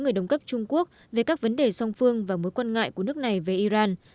người đồng cấp trung quốc về các vấn đề song phương và mối quan ngại của nước này về iran